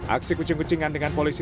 aksi kucing kucingan dengan polisi